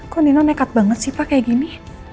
karena mereka sangat mekat pak seperti ini